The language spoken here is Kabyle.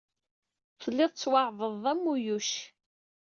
Telliḍ tettwaɛebdeḍ am uyuc.